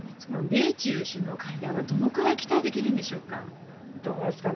米中首脳会談はどのくらい期待できるんでしょうか。